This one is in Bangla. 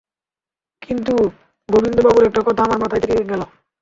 কিন্তু গবিন্দ বাবুর একটা কথা আমার মাথায় থেকে গেলো।